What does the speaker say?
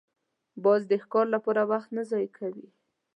باز د ښکار لپاره وخت نه ضایع کوي